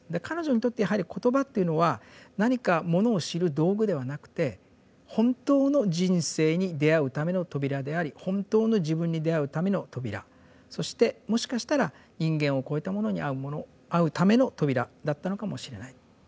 彼女にとってやはり言葉というのは何かものを知る道具ではなくて本当の人生に出会うための扉であり本当の自分に出会うための扉そしてもしかしたら人間をこえたものに会うための扉だったのかもしれない。